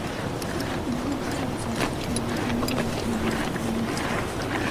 En una lista enlazada circular, el primer y el último nodo están unidos juntos.